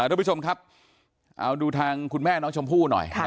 ทุกผู้ชมครับเอาดูทางคุณแม่น้องชมพู่หน่อย